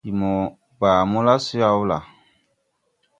Ndi mo baa mo la so yaw la ?